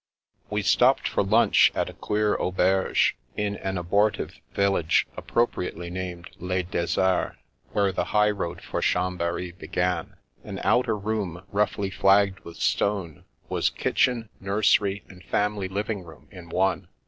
We stopped for lunch at a queer auberge, in an abortive village appropriately named Les Deserts, where the highroad for Chambery began. An outer room roughly flagged with stone, was kitchen, nursery, and family living room in one.